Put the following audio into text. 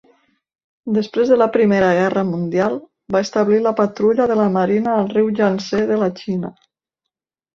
Després de la Primera Guerra Mundial, va establir la patrulla de la Marina al riu Yangtze de la Xina.